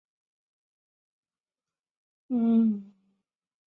巨突顶冠节蜱为节蜱科顶冠节蜱属下的一个种。